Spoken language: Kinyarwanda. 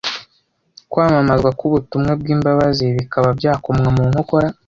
kwamamazwa k’ubutumwa bw’imbabazi bikaba byakomwa mu nkokora.